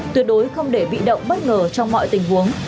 tuyệt đối không để bị động bất ngờ trong mọi tình huống